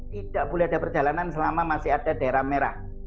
tidak boleh ada perjalanan selama masih ada daerah merah